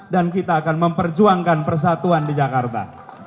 dan kita akan memperjuangkan persatuan di jakarta